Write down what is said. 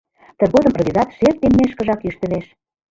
Тыгодым рвезат шер теммешкыжак йӱштылеш.